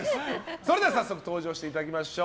それでは早速登場していただきましょう。